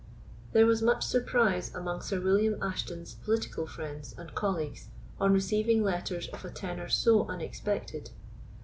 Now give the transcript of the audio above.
There was much surprise among Sir William Ashton's political friends and colleagues on receiving letters of a tenor so unexpected.